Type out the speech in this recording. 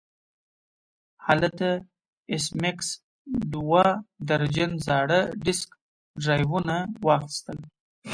هلته ایس میکس دوه درجن زاړه ډیسک ډرایوونه واخیستل